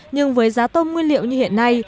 nhưng với giá tôm nguyên liệu như hiện nay